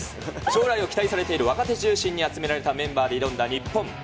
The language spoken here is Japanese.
将来を期待されている若手中心に集められたメンバーで挑んだ日本。